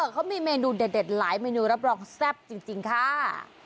เขามีเมนูเด็ดหลายเมนูรับรองแซ่บจริงค่ะ